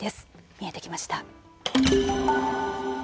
見えてきました。